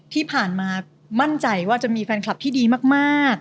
ที่ผ่านมามั่นใจว่าจะมีแฟนคลับที่ดีมาก